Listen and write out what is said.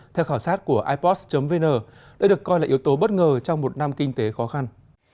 theo khảo sát của ipost vn đây được coi là yếu tố bất ngờ trong một năm kinh tế khó khăn